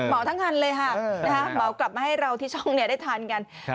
ทั้งอันเลยค่ะเหมากลับมาให้เราที่ช่องได้ทานกัน